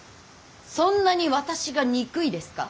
そんなに私が憎いですか。